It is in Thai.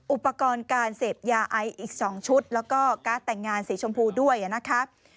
อุปกรณ์การเสพยาไออีก๒ชุดแล้วก็การ์ดแต่งงานสีชมพูด้วยนะครับ